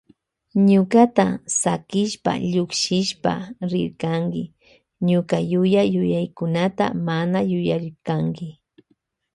Ñukata sakishpa llukshishpa rirkanki ñuka yuya yuyaykunata mana yuyarirkanki.